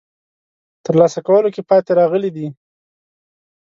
ترلاسه کولو کې پاتې راغلي دي.